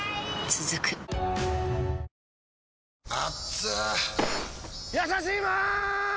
続くやさしいマーン！！